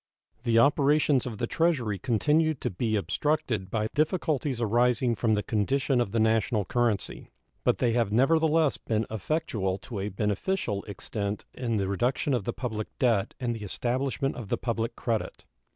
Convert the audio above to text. The operations of the Treasury continued to be obstructed by difficulties arising from the condition of the national currency, but they have nevertheless been effectual to a beneficial extent in the reduction of the public debt and the establishment of the public credit.